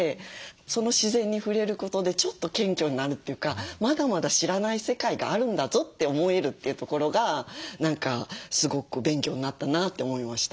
その自然に触れることでちょっと謙虚になるというか「まだまだ知らない世界があるんだぞ」って思えるというところが何かすごく勉強になったなって思いました。